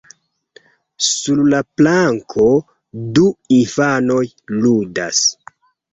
Sur la planko, du infanoj ludas.